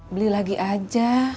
beli lagi aja